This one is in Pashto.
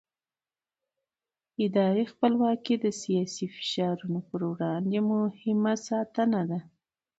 اداري خپلواکي د سیاسي فشارونو پر وړاندې مهمه ساتنه ده